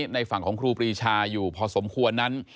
ในฝั่งของครูปรีชาอยู่พอสมควรนั้น